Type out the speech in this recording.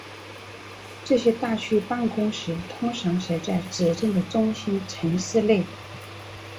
这些大区办公室通常设在指定的中心城市内。